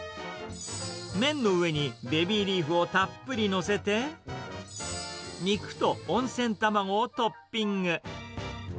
麺の上にベビーリーフをたっぷり載せて、肉と温泉卵をトッピング。